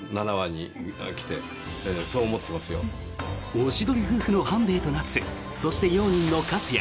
おしどり夫婦の半兵衛と奈津そして用人の勝谷。